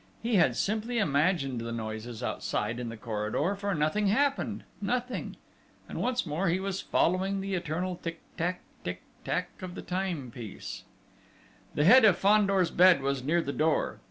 He had simply imagined the noises outside in the corridor, for nothing happened nothing ... and once more he was following the eternal tic tac, tic tac of the timepiece! The head of Fandor's bed was near the door.